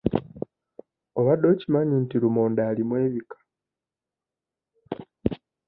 Obadde okimanyi nti lumonde alimu ebika?